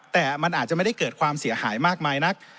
แต่มันอาจจะไม่ได้เกิดความเสียหายมากมายนัก